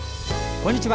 こんにちは。